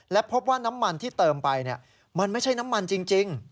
และพบว่าน้ำมันที่เติมไปมันไม่ใช่น้ำมันจริง